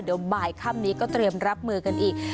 เดี๋ยวบ่ายค่ำนี้ก็เตรียมรับมือกันอีก